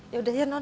yaudah ya non